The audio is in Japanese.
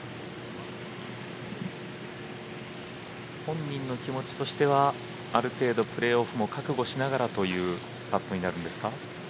本人の気持ちとしてはある程度プレーオフも覚悟しながらというパットになるんですか？